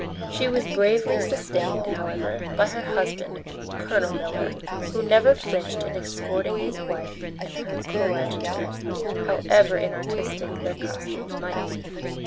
She was bravely sustained, however, by her husband, Colonel Miller, who never flinched in escorting his wife and her coadjutors, however inartistic their costumes might be.